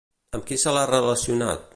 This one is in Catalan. Amb qui se l'ha relacionat?